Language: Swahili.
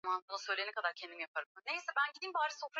Aliteua fuvu lenye shimo kwa sababu taarifa za hapo kale